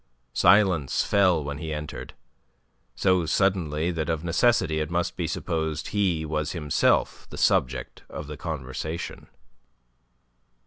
Silence fell when he entered, so suddenly that of necessity it must be supposed he was himself the subject of the conversation.